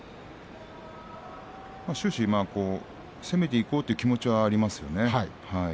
終始、攻めていこうという気持ちはありますね。